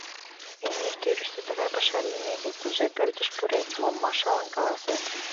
Эҥер тӱрыштӧ тыгай паша лиймеке, кузе пӧртыш пурет, мом Машалан каласет?